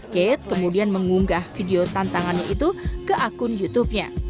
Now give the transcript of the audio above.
kate kemudian mengunggah video tantangannya itu ke akun youtubenya